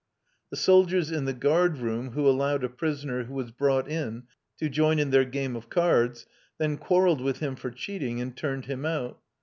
The soldiers in the guard room who allowed a prisoner who was brought in to join in their game of cards, then quarrelled with him for cheating, and turned him out.